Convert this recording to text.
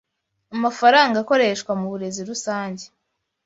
amafaranga akoreshwa mu burezi rusange